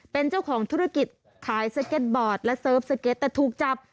เป็นเจ้าของธุรกิจขายสเก็ตบอร์ดและเสิร์ฟสเก็ตแต่ถูกจับ